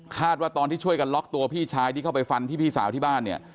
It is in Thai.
ว่าตอนที่ช่วยกันล็อกตัวพี่ชายที่เข้าไปฟันที่พี่สาวที่บ้านเนี่ย